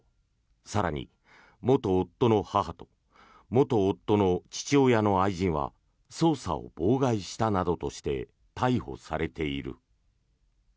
更に、元夫の母と元夫の父親の愛人は捜査を妨害したなどとして逮捕されている。